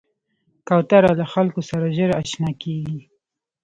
کوتره له خلکو سره ژر اشنا کېږي.